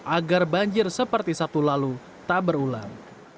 agar banjir seperti sabtu lalu tak berulang